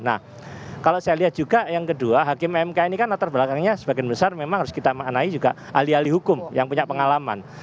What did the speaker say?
nah kalau saya lihat juga yang kedua hakim mk ini kan latar belakangnya sebagian besar memang harus kita maknai juga ahli ahli hukum yang punya pengalaman